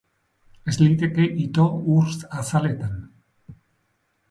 Ez liteke ito ur azaletan!